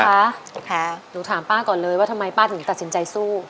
หนูถามป้าก่อนเลยว่าทำไมป้าถึงตัดสินใจสู้